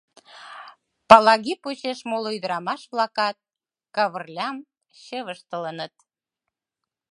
Палаги почеш моло ӱдырамаш-влакат Кавырлям «чывыштылыныт».